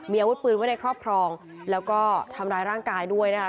มีอาวุธปืนไว้ในครอบครองแล้วก็ทำร้ายร่างกายด้วยนะคะ